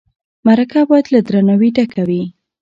مرکه باید له درناوي ډکه وي.